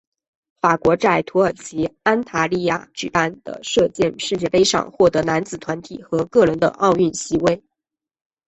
法国在土耳其安塔利亚举办的射箭世界杯上获得男子团体和个人的奥运席位。